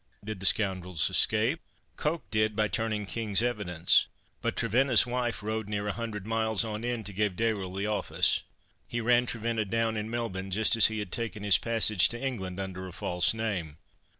Did the scoundrels escape?" "Coke did by turning King's evidence. But Trevenna's wife rode near a hundred miles on end to give Dayrell the office. He ran Trevenna down in Melbourne, just as he had taken his passage to England under a false name.